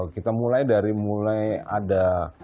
kita mulai dari mulai ada